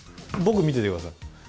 僕見てて下さい。